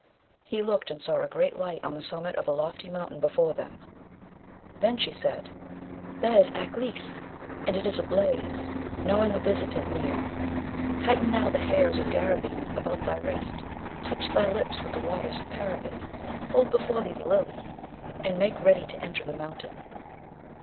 He looked and saw a great light on the summit of a lofty mountain before them. Then said she, 'That is Aklis! and it is ablaze, knowing a visitant near. Tighten now the hairs of Garraveen about thy wrist; touch thy lips with the waters of Paravid; hold before thee the Lily, and make ready to enter the mountain.